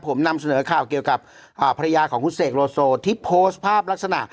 ผมนำเสนอข่าวเกี่ยวกับภรรยาของคุณเสกโลโซที่โพสต์ภาพลักษณะ